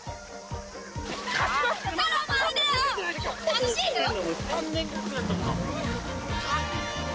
楽しいよ！